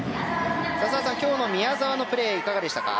澤さん、今日の宮澤のプレーはいかがでしたか。